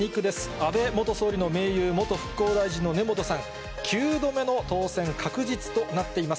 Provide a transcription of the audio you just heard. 安倍元総理の盟友、元復興大臣の根本さん、９度目の当選確実となっています。